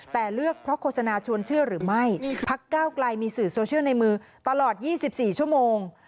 แต่เลือกเพราะโฆษณาชวนเชื่อหรือไม่พักเก้าไกลมีสื่อโซเชียลในมือตลอด๒๔ชั่วโมง